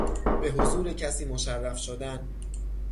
به حضور کسی مشرف شدن